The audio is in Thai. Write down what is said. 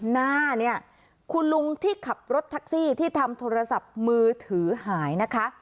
หน้าเนี่ยคุณลุงที่ขับรถแท็กซี่ที่ทำโทรศัพท์มือถือหายนะคะ